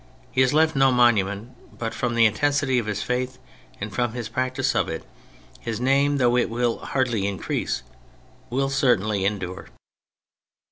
He has left no monument; but from the intensity of his faith and from his practice of it, his name, though it will hardly increase, will certainly endure.